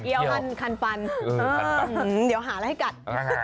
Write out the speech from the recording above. เดี๋ยวหาแล้วให้กัด